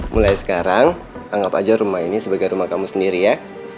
mulai sekarang anggap aja rumah ini sebagai rumah kamu sendiri ya